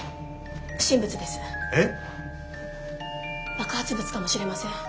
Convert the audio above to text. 爆発物かもしれません。